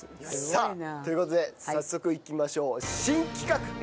さあという事で早速いきましょう。